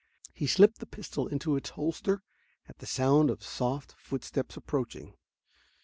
He slipped the pistol into its holster at the sound of soft footsteps approaching.